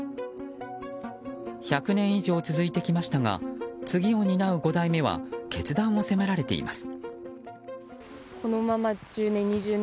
１００年以上続いてきましたが次を担う５代目は決断を迫られています。